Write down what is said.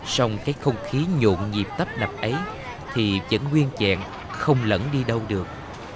xong cái không khí nhuộm nhịp tấp nập ấy thì vẫn nguyên chẹn không lẫn đi đâu được